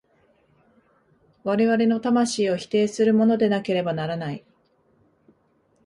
我々の魂を否定するものでなければならない。